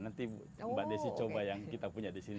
nanti mbak desi coba yang kita punya di sini